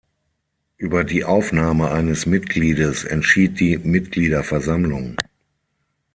Über die Aufnahme eines Mitgliedes entschied die Mitgliederversammlung.